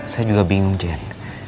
saya juga bingung jen